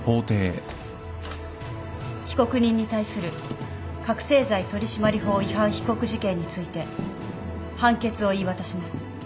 被告人に対する覚醒剤取締法違反被告事件について判決を言い渡します。